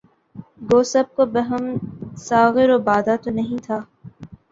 گو سب کو بہم ساغر و بادہ تو نہیں تھا